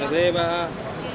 terima kasih pak